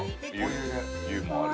「ゆ」もある。